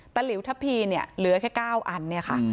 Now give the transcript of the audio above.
หลิวทะพีเนี่ยเหลือแค่๙อันเนี่ยค่ะ